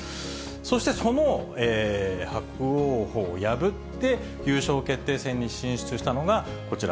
そして、その伯桜鵬を破って、優勝決定戦に進出したのが、こちら、